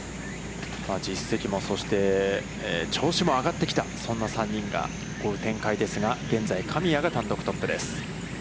実績も、そして調子も上がってきた、そんな３人が、追う展開ですが、現在、神谷が単独トップです。